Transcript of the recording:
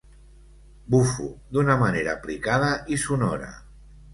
Bufo d'una manera aplicada i sonora.